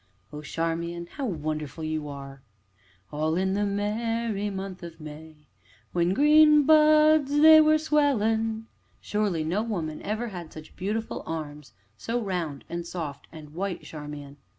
'" "Oh, Charmian! how wonderful you are!" "'All in the merry month of May, When green buds they were swellin' '" "Surely no woman ever had such beautiful arms! so round and soft and white, Charmian."